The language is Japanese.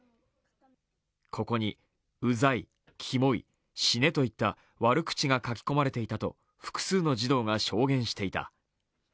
ここに、「うざい、きもい、死ね」といった悪口が書き込まれていたと複数の児童が証言していた。